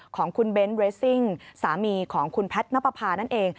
ของคุณเบ้นเรสซิ่งสามีของคุณแพทย์นับประพานั่นเอง